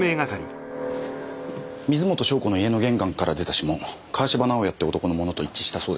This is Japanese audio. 水元湘子の家の玄関から出た指紋川芝直哉って男のものと一致したそうです。